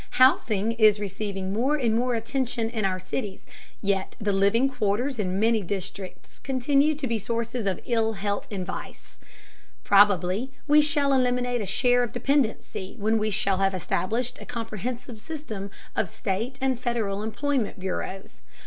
Housing is receiving more and more attention in our cities, yet the living quarters in many districts continue to be sources of ill health and vice. Probably we shall eliminate a share of dependency when we shall have established a comprehensive system of state and Federal employment bureaus.